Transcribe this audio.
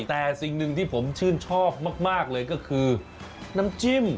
แต่สิ่งหนึ่งที่ผมชื่นชอบมากเลยก็คือน้ำจิ้ม